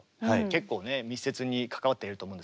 結構ね密接に関わってると思うんですけど。